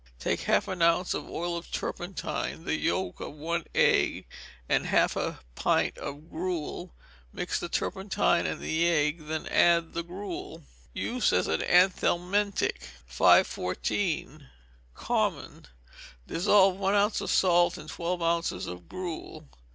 Take half an ounce of oil of turpentine, the yolk of one egg, and half a pint of gruel. Mix the turpentine and egg, and then add the gruel. Use as an anthelmintic. 514. Common. Dissolve one ounce of salt in twelve ounces of gruel.